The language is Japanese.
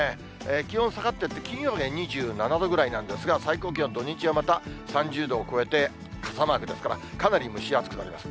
気温下がっていって、金曜日は２７度ぐらいなんですが、最高気温、土日はまた３０度を超えて傘マークですから、かなり蒸し暑くなります。